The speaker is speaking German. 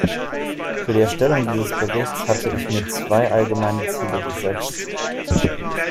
Für die Erstellung dieses Berichts hatte ich mir zwei allgemeine Ziele gesetzt.